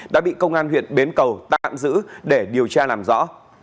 đã bị công an huyện bến cầu tạm giữ để điều tra làm rõ